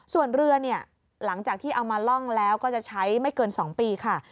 ส่วนเรือเนี่ยหลังจากที่เอามาล่องแล้วก็จะใช้ไม่เกิน๒ปีค่ะ